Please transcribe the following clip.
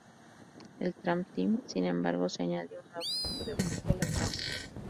En "Trap Team", sin embargo, se añadió un nuevo tipo de objeto, las trampas.